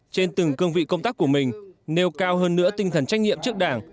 trên từng cương vị công tác của mình nêu cao hơn nữa tinh thần trách nhiệm trước đảng